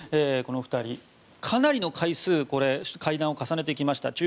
この２人、かなりの回数会談を重ねてきました。